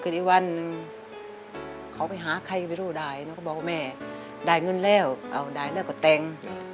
ได้เงินแล้วเอาได้แล้วก็แต่ง